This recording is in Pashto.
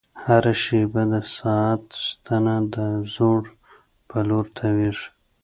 هره شېبه د ساعت ستنه د ځوړ په لور تاوېږي.